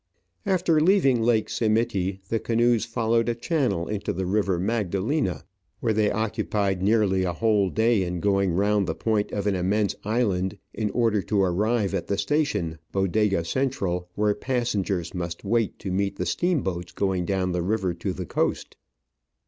After leaving Lake Simiti the canoes followed a channel into the river Magdalena, where they occupied nearly a whole day in going round the point of an immense island in order to arrive at the station, Bodega Central, where passengers must wait to meet the steamboats going down the river to the coast.